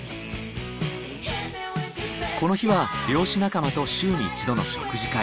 この日は漁師仲間と週に一度の食事会。